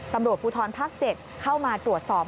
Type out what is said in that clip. ตำรวจภูทรภาค๗เข้ามาตรวจสอบ